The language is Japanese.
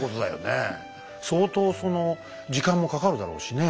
その時間もかかるだろうしね。